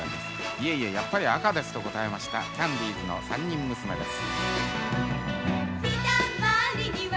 いえいえやっぱり赤ですと答えましたキャンディーズの３人娘です。